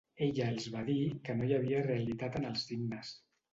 Ella els va dir que no hi ha realitat en els signes.